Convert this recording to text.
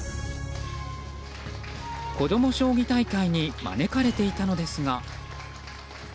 子ども将棋大会に招かれていたのですが。